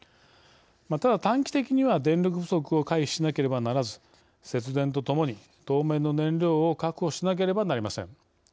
ただ、短期的には電力不足を回避しなければならず節電とともに、当面の燃料を確保しなければなりません。